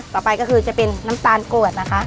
ต่อไปก็คือจะเป็นน้ำตาลกรวดนะคะ